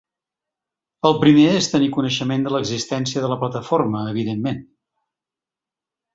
El primer és tenir coneixement de l’existència de la plataforma, evidentment.